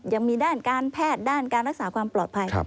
ยังมีด้านการแพทย์ด้านการรักษาความปลอดภัย